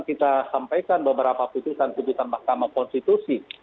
kita sampaikan beberapa keputusan keputusan mahkamah konstitusi